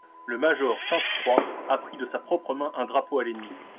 Le major Sainte-Croix a pris de sa propre main un drapeau à l'ennemi.